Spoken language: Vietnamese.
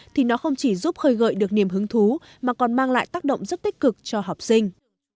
thì nó không chỉ giúp khơi gợi được niềm hứng thú mà còn mang lại tác động rất tích cực cho học sinh